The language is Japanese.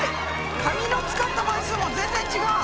紙の使った枚数も全然違う。